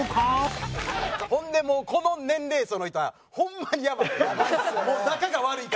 ほんでもうこの年齢層の人はホンマにやばい！